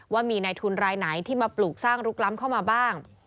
ว่ามีในทุนรายไหนที่มาปลูกสร้างลุกล้ำเข้ามาบ้าง